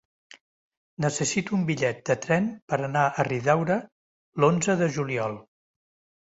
Necessito un bitllet de tren per anar a Riudaura l'onze de juliol.